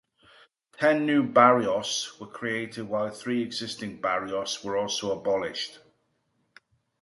Ten new barrios were created while three existing barrios were also abolished.